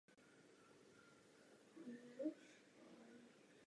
Rozhodl se vzdát se veškerých společenských postů i pedagogické činnosti.